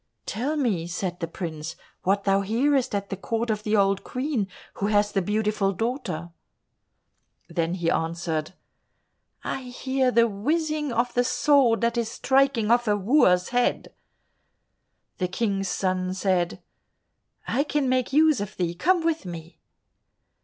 "Tell me," said the prince, "what thou hearest at the court of the old Queen who has the beautiful daughter." Then he answered, "I hear the whizzing of the sword that is striking off a wooer's head." The King's son said, "I can make use of thee, come with me."